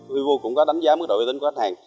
vvu cũng có đánh giá mức độ uy tín của khách hàng